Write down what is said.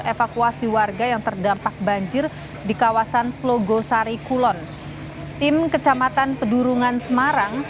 evakuasi warga yang terdampak banjir di kawasan plogosari kulon tim kecamatan pedurungan semarang